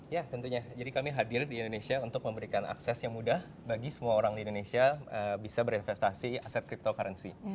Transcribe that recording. ya tentunya jadi kami hadir di indonesia untuk memberikan akses yang mudah bagi semua orang di indonesia bisa berinvestasi aset cryptocurrency